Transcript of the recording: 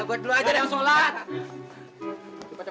gue dulu aja ada yang sholat